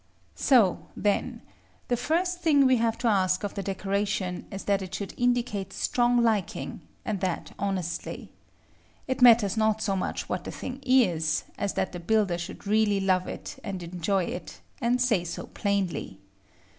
So, then, the first thing we have to ask of the decoration is that it should indicate strong liking, and that honestly. It matters not so much what the thing is, as that the builder should really love it and enjoy it, and say so plainly.